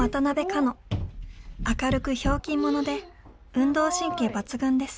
明るくひょうきん者で運動神経抜群です。